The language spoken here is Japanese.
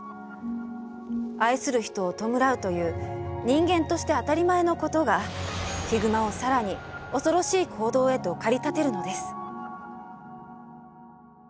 人間として当たり前のことがヒグマを更に恐ろしい行動へと駆り立てるのです。